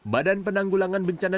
badan penanggulangan bencana